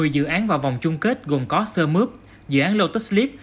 một mươi dự án vào vòng chung kết gồm có sơ mướp dự án lotus leap